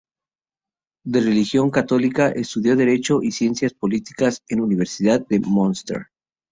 De religión católica, estudió Derecho y Ciencias Políticas en Universidad de Münster.